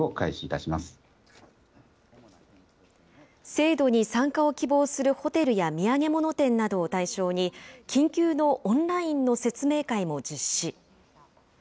制度に参加を希望するホテルや土産物店などを対象に、緊急のオンラインの説明会も実施。